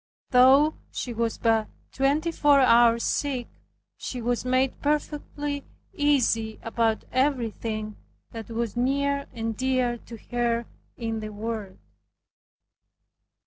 Though she was but twenty four hours sick, she was made perfectly easy about everything that was near and dear to her in this world.